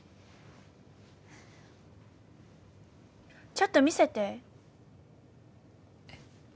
ちょっと見せてえっ？